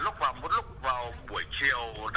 lúc này mặt trời nó vẫn chiếu được